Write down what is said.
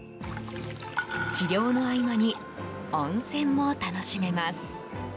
治療の合間に温泉も楽しめます。